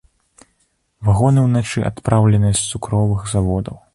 Вагоны ўначы адпраўленыя з цукровых заводаў.